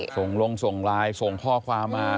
ส่งลงส่งไลน์ส่งข้อความมา